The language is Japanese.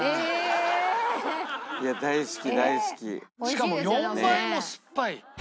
しかも４倍も酸っぱい。